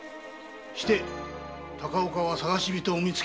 して高岡は捜し人を見つけたのか？